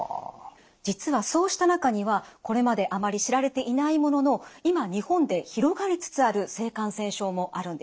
実はそうした中にはこれまであまり知られていないものの今日本で広がりつつある性感染症もあるんです。